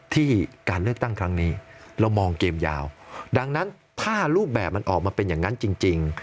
ที่การเลือกตั้งครั้งนี้เรามองเกมยาวดังนั้นถ้ารูปแบบมันออกมาเป็นอย่างนั้นจริง